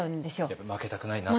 やっぱ負けたくないなとか。